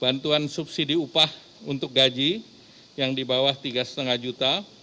bantuan subsidi upah untuk gaji yang di bawah tiga lima juta